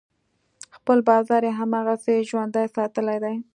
خپل بازار یې هماغسې ژوندی ساتلی دی.